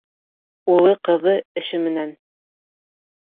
Улы-ҡыҙы эше менән.